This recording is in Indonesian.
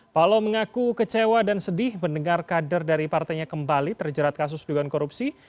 paloh mengaku kecewa dan sedih mendengar kader dari partainya kembali terjerat kasus dugaan korupsi